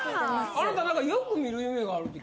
あなた何かよく見る夢があるって。